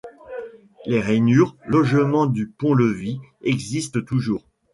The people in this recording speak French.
Les rainures, logement du pont-levis existent toujours.